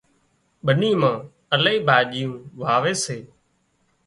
ٻني مان الاهي ڀاڄيون واوي سي